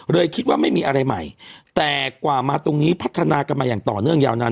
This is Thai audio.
คิดว่าไม่มีอะไรใหม่แต่กว่ามาตรงนี้พัฒนากันมาอย่างต่อเนื่องยาวนาน